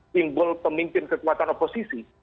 simbol pemimpin kekuatan oposisi